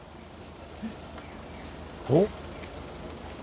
おっ。